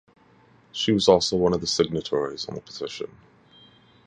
She was also one of the signatories on this petition.